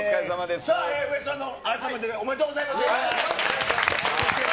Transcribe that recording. さあ、ウエストランド、改めておめでとうございます。